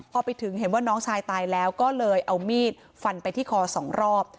พอไปถึงเห็นว่าน้องชายตายแล้วก็เลยเอามีดฟันไปที่คอสองรอบ